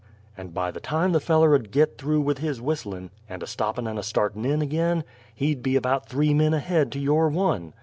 and by the time the feller 'ud git through with his whistlin', and a stoppin' and a startin' in ag'in, he'd be about three men ahead to your one.